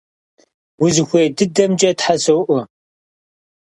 Узыхуей дыдэмкӀэ Тхьэ соӀуэ!